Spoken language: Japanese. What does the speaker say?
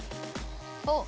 あっ！